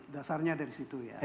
dasarnya dari situ ya